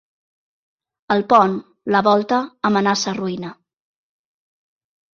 El pont, la volta, amenaça ruïna.